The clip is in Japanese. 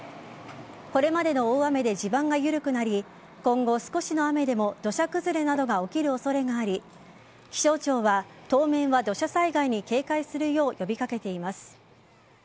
これまでの大雨で地盤が緩くなり今後、少しの雨でも土砂崩れなどが起きる恐れがあり気象庁は、当面は土砂災害に警戒するよう呼び掛けています。